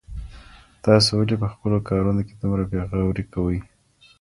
تاسو ولي په خپلو کارونو کي دومره بې غوري کوئ؟